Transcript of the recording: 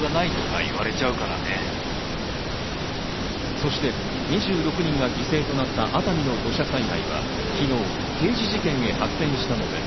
そして２６人が犠牲となった熱海の土砂災害は昨日、刑事事件へ発展したのです。